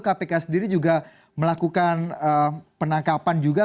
kpk sendiri juga melakukan penangkapan juga